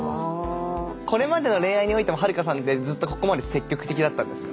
これまでの恋愛においてもはるかさんってここまで積極的だったんですか？